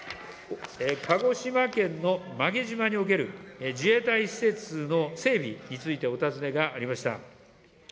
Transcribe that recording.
鹿児島県の馬毛島ににおける自衛隊施設の整備についてお尋ねがありました。